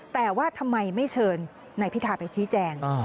แต่ว่าทำไมไม่เชิญนายพิธาไปชี้แจง